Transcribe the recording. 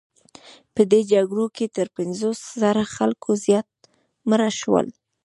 په دې جګړو کې تر پنځوس زره خلکو زیات مړه شول.